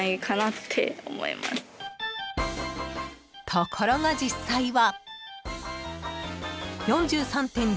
［ところが実際は］